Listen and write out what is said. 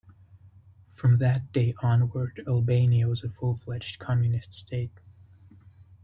From that day onward, Albania was a full-fledged Communist state.